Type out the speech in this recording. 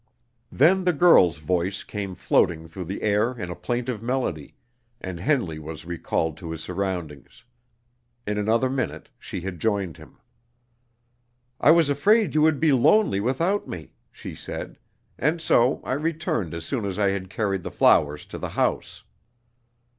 Then the girl's voice came floating through the air in a plaintive melody, and Henley was recalled to his surroundings. In another minute she had joined him. "I was afraid you would be lonely without me," she said, "and so I returned as soon as I had carried the flowers to the house."